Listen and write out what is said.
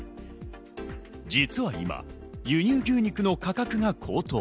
実は今、輸入牛肉の価格が高騰。